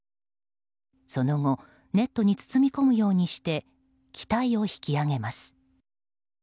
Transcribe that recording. その後ネットに包み込むようにして機体を引き揚げます。